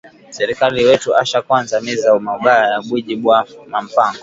Serkali wetu asha kwanza miza mubaya ya bwiji bwa ma mpango